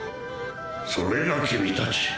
それが君たち。